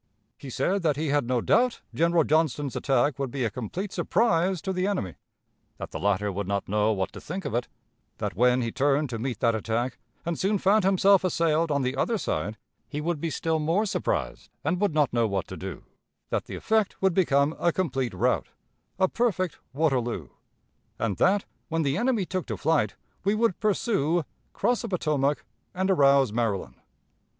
He said that he had no doubt General Johnston's attack would be a complete surprise to the enemy; that the latter would not know what to think of it; that when he turned to meet that attack, and soon found himself assailed on the other side, he would be still more surprised and would not know what to do; that the effect would become a complete rout a perfect Waterloo; and that, when the enemy took to flight, we would pursue, cross the Potomac, and arouse Maryland....